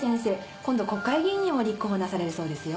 今度国会議員にも立候補なされるそうですよ。